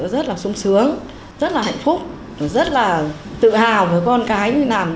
rất là sung sướng rất là hạnh phúc rất là tự hào với con cái